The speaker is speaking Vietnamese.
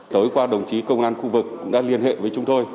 tối qua đồng chí công an khu vực cũng đã liên hệ với chúng tôi